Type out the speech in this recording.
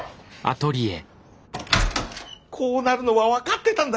こうなるのは分かってたんだ。